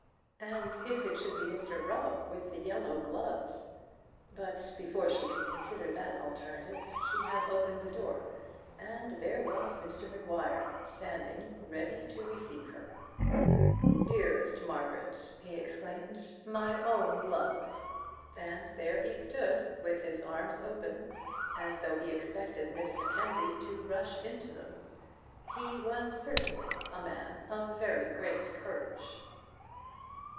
And if it should be Mr Rubb with the yellow gloves! But before she could consider that alternative she had opened the door, and there was Mr Maguire standing ready to receive her. "Dearest Margaret!" he exclaimed. "My own love!" And there he stood, with his arms open, as though he expected Miss Mackenzie to rush into them. He was certainly a man of very great courage.